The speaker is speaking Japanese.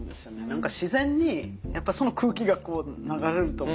何か自然にやっぱその空気がこう流れると思うし。